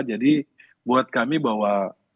jadi buat kami bahwa